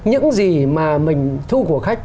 những gì mà mình thu của khách